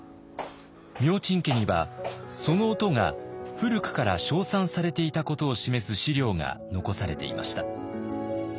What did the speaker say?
明珍家にはその音が古くから称賛されていたことを示す史料が残されていました。